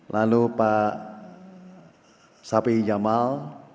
lalu pak sapi jamal